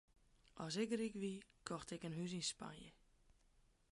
As ik ryk wie, kocht ik in hûs yn Spanje.